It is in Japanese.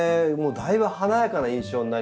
だいぶ華やかな印象になりますね